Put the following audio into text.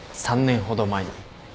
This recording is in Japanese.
３年ほど前に。